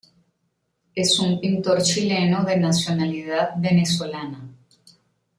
Es un Pintor Chileno de nacionalidad Venezolana.